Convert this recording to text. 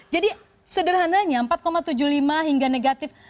jadi sederhananya empat tujuh puluh lima hingga negatif